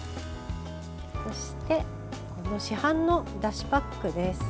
そして、市販のだしパックです。